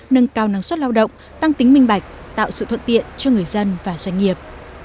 nâng cao năng suất lao động tăng tính minh bạch tạo sự thuận tiện cho người dân và doanh nghiệp